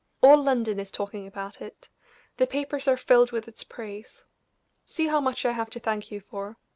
All London is talking about it the papers are filled with its praise. See how much I have to thank you for!